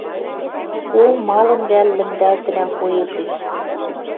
О, малын вӓл лӹмдӓлтӹнӓм поэтеш?